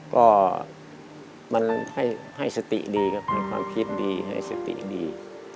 ก็มันให้สติดีครับมีความคิดดีให้สติดี